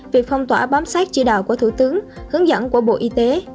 việc phong tỏa bám sát chỉ đạo của thủ tướng hướng dẫn của bộ y tế